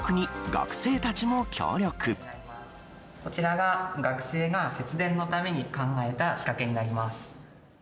こちらが、学生が節電のために考えた仕掛けになります。